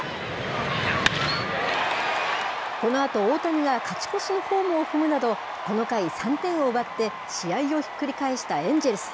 このあと大谷が勝ち越しのホームを踏むなど、この回、３点を奪って試合をひっくり返したエンジェルス。